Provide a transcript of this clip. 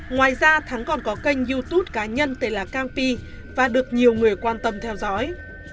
ngoài ra thắng còn có kênh youtube cá nhân tên là camp và được nhiều người quan tâm theo dõi